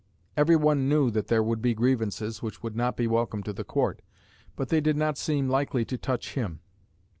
Every one knew that there would be "grievances" which would not be welcome to the Court, but they did not seem likely to touch him.